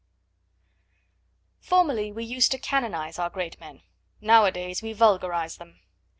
Formerly we used to canonise our great men; nowadays we vulgarise them.